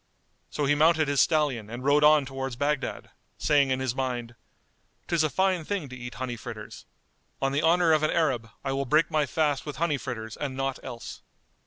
So he mounted his stallion and rode on towards Baghdad, saying in his mind, "'Tis a fine thing to eat honey fritters! On the honour of an Arab, I will break my fast with honey fritters and naught else!"